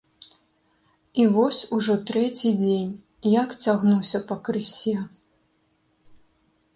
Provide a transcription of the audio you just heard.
І вось ужо трэці дзень, як цягнуся пакрысе.